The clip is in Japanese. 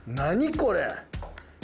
これ。